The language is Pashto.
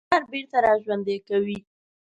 اقتدار بیرته را ژوندی کوي.